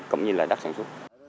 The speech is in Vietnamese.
cũng như là đất sản xuất